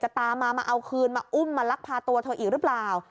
ตามมามาเอาคืนมาอุ้มมาลักพาตัวเธออีกหรือเปล่า